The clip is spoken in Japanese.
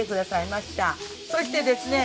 そしてですね